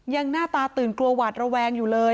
หน้าตาตื่นกลัวหวาดระแวงอยู่เลย